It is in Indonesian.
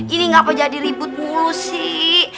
ini nggak kejadi ribut mulu sih